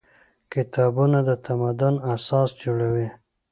کتابونه د تمدن اساس جوړوي.